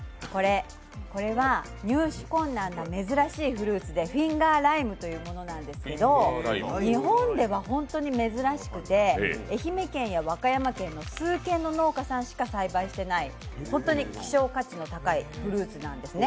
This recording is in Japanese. これは入手困難な珍しいフルーツでフィンガーライムというものなんですけど、日本では本当に珍しくて、愛媛県や和歌山県の数件の農家さんしか栽培していない本当に希少価値の高いフルーツなんですね。